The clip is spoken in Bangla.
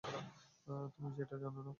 তুমি সেটা জানো না।